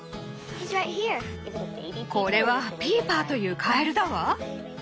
これはピーパーというカエルだわ。